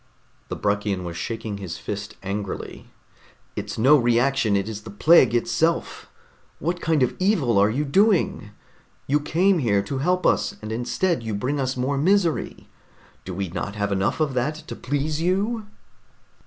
The Bruckian was shaking his fist angrily. "It's no reaction, it is the plague itself! What kind of evil are you doing? You came here to help us, and instead you bring us more misery. Do we not have enough of that to please you?"